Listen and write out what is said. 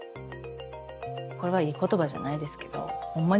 これはいい言葉じゃないですけどホンマ